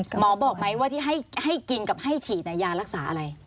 หมอบอกไหมว่าที่ให้กินกับให้ฉีดยารักษาอะไร